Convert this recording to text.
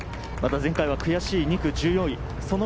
前回は悔しい２区１４位。